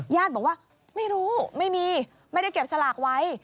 ญาติบอกว่าไม่รู้ไม่มีไม่ได้เก็บสลากไว้